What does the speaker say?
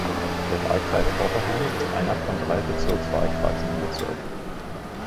Der Wahlkreis Rotherham ist einer von drei Bezirkswahlkreisen im Bezirk.